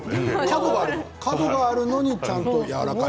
角があるのにちゃんとやわらかい。